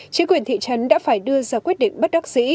chính quyền thị trấn đã phải đưa ra quyết định bất đắc dĩ